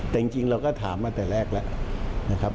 แต่จริงเราก็ถามมาแต่แรกแล้ว